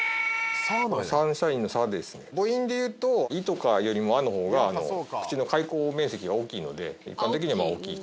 サンシャインの「サ」ですね母音でいうと「い」とかよりも「あ」のほうが口の開口面積が大きいので結果的には。